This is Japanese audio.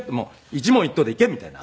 一問一答でいけみたいな。